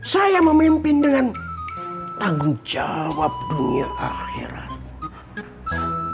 saya memimpin dengan tanggung jawab di akhirat